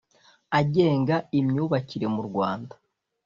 agenga imyubakire mu Rwanda